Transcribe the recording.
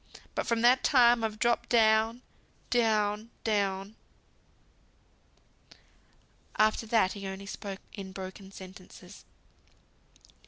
But from that time I've dropped down, down, down." After that he only spoke in broken sentences.